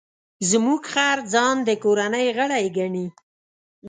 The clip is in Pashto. زموږ خر ځان د کورنۍ غړی ګڼي.